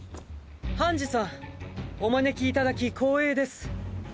ハンジさんお招きいただき光栄です。